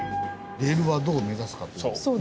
「レールはどう目指すか」という。